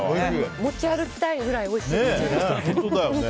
持ち歩きたいくらいおいしいです。